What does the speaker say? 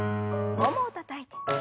ももをたたいて。